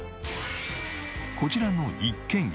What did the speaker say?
こちらの一軒家。